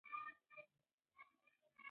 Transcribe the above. رېدي د زلیخا په قبر کې ګلان کېښودل.